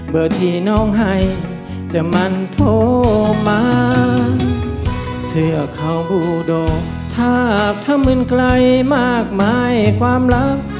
เบอร์ที่น้องให้จะมันโทรมาเธอเข้าบูโดธาปถ้ามืนไกลมากมายความลับ